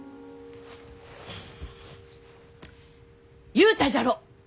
言うたじゃろ！